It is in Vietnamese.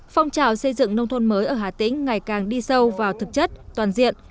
phong trào xây dựng nông thôn mới ở hà tĩnh ngày càng đi sâu vào thực chất toàn diện